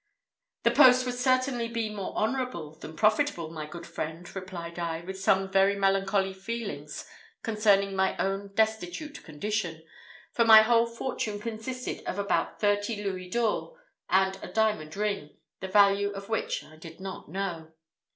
"The post would certainly be more honourable than profitable, my good friend," replied I, with some very melancholy feelings concerning my own destitute condition, for my whole fortune consisted of about thirty Louis d'ors and a diamond ring, the value of which I did not know.